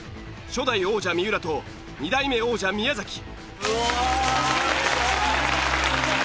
初代王者三浦と２代目王者宮崎。